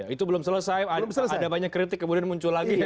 itu belum selesai ada banyak kritik kemudian muncul lagi